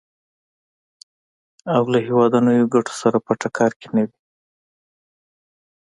او له هېوادنیو ګټو سره په ټکر کې نه وي.